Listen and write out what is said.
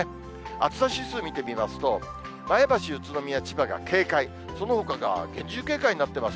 暑さ指数見てみますと、前橋、宇都宮、千葉が警戒、そのほかが厳重警戒になってます。